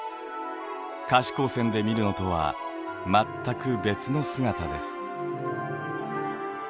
可視光線で見るのとは全く別の姿です。